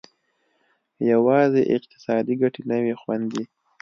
یوازې اقتصادي ګټې نه وې خوندي.